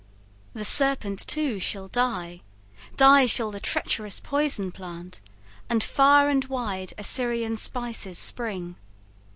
The serpent too shall die, Die shall the treacherous poison plant, and far And wide Assyrian spices spring.